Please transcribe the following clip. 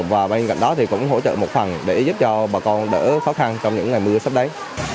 và bên cạnh đó thì cũng hỗ trợ một phần để giúp cho bà con đỡ khó khăn trong những ngày mưa sắp đến